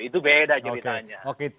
itu beda ceritanya